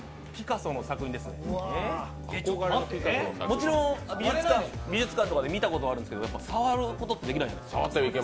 もちろん、美術館とかで見たことはあるんですけど触ることってできないじゃないですか。